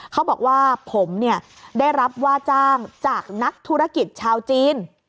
เขาบอกว่าผมได้รับว่าจ้างจากนักธุรกิจชาวจีน